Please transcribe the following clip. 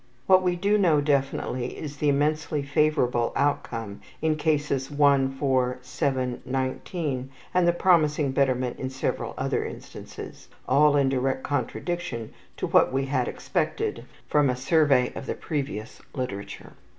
What we do know definitely is the immensely favorable outcome in Cases 1, 4, 7, 19, and the promising betterment in several other instances all in direct contradiction to what we had expected from survey of previous literature.